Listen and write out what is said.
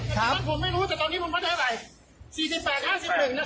ผมไม่รู้แต่ตอนนี้ผมวัดให้ไหน๔๘๕๑นะครับ